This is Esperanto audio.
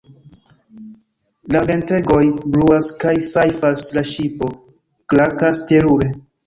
La ventegoj bruas kaj fajfas, la ŝipo krakas terure.